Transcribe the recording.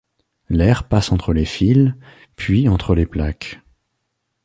L'air passe entre les fils, puis entre les plaques.